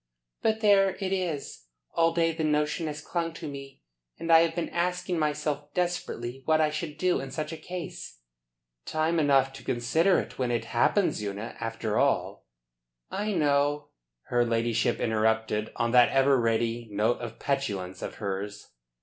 "But there it is. All day the notion has clung to me, and I have been asking myself desperately what I should do in such a case." "Time enough to consider it when it happens, Una. After all " "I know," her ladyship interrupted on that ever ready note of petulance of hers.